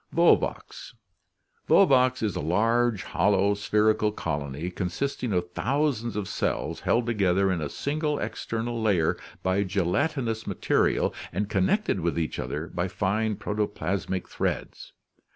Volvox, — Volvox (Fig. 28) is a large hol low spherical colony consisting of thousands : of cells held together in a single external layer by gelatinous material and connected with each other by fine protoplasmic threads.